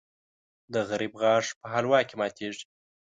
د غریب غاښ په حلوا کې ماتېږي .